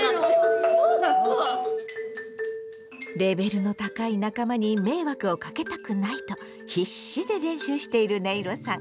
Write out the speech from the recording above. レベルの高い仲間に迷惑をかけたくないと必死で練習しているねいろさん。